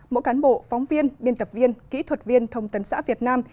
mỗi cán bộ phóng viên biên tập viên kỹ thuật viên thông tấn xã việt nam